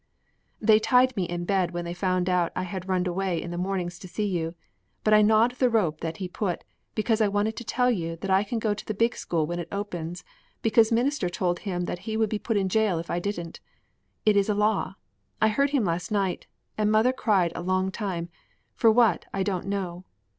"They tied me in bed when they found out I had runned away in the mornings to see you, but I gnawed the rope that he put, because I wanted to tell you that I can go to the big school when it opens because Minister told him that he would be put in jail if I didn't. It is a law. I heard him last night, and mother cried a long time, for what, I don't know.